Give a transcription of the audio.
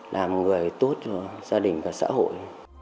làm người tốt cho gia đình và xã hội